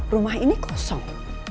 rumah ini kosong